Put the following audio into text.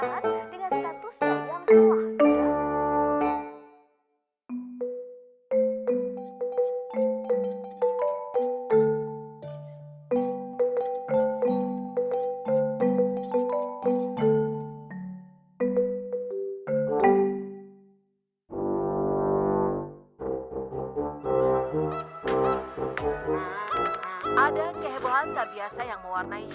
hidoy menghadapi ironi